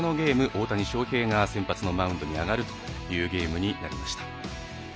大谷翔平が先発のマウンドに上がるというゲームになりました。